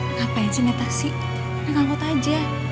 ngapain sih naik taksi naik angkot aja